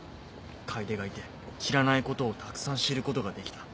楓がいて知らないことをたくさん知ることができた。